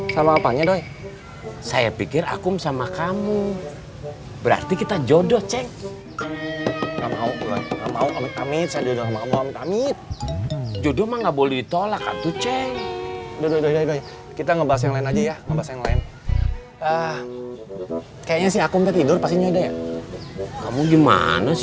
sampai jumpa di video selanjutnya